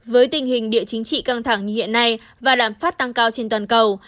với tình hình địa chính trị căng thẳng như hiện nay và lạm phát tăng cao trên toàn cầu